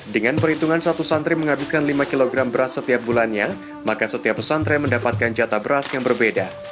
dengan perhitungan satu santri menghabiskan lima kg beras setiap bulannya maka setiap pesantren mendapatkan jatah beras yang berbeda